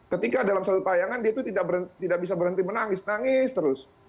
ketika dalam satu tayangan dia itu tidak bisa berhenti menangis nangis terus